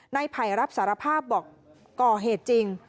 ไผ่รับสารภาพบอกก่อเหตุจริง